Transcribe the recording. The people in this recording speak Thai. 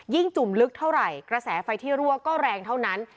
จุ่มลึกเท่าไหร่กระแสไฟที่รั่วก็แรงเท่านั้น